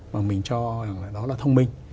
và mình cho rằng đó là thông minh